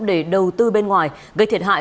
để đầu tư bên ngoài gây thiệt hại